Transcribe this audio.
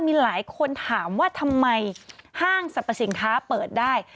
มีหลายคนถามว่าทำไมห้างสรรพสินค้าเปิดได้